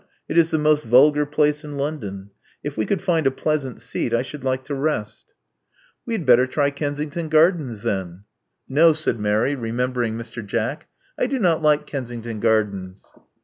It is the most vulgar place in London. If we could find a pleasant seat, I should like to rest." Love Among the Artists 25 We had better try Kensington Gardens, then." No," said Mary, remembering Mr. Jack. I do not like Kensington Gardens."